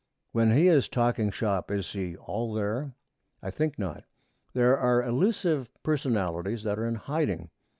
When he is talking shop is he 'all there'? I think not. There are elusive personalities that are in hiding.